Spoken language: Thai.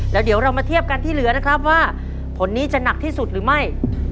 แล้วเดี๋ยวเรามาเทียบกันที่เหลือนะครับว่าผลนี้จะหนักที่สุดหรือไม่